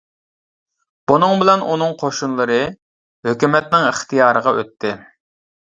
بۇنىڭ بىلەن ئۇنىڭ قوشۇنلىرى ھۆكۈمەتنىڭ ئىختىيارىغا ئۆتتى.